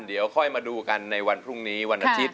เดี๋ยวค่อยมาดูกันในวันพรุ่งนี้วันอาทิตย